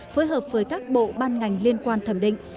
phối hợp với các bộ ban ngành liên quan thẩm định